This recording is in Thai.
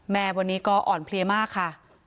แม่วันนี้ก็อ่อนเพลียมากค่ะ